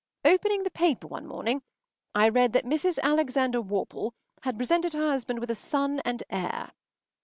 Opening the paper one morning, I read that Mrs. Alexander Worple had presented her husband with a son and heir.